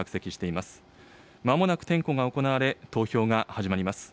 まもなく点呼が行われ、投票が始まります。